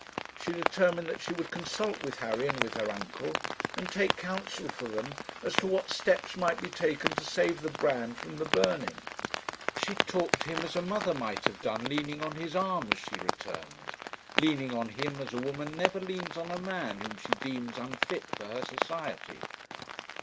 She determined that she would consult with Harry and with her uncle, and take counsel from them as to what steps might be taken to save the brand from the burning. She talked to him as a mother might have done, leaning on his arm, as she returned; leaning on him as a woman never leans on a man whom she deems unfit for her society.